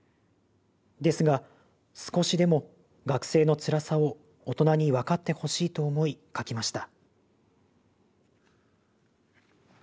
ですが少しでも学生のつらさを大人に分かってほしいと思い書きました」。